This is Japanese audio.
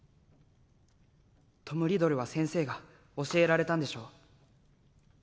トム・リドルは先生が教えられたんでしょう？